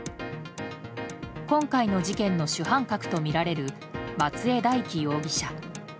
今回の事件の主犯格とみられる松江大樹容疑者。